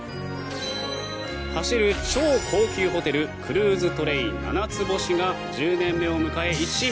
走る超高級ホテルクルーズトレイン、ななつ星が１０年目を迎え、一新。